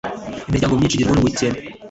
imiryango myinshi igerwaho n'ubukene.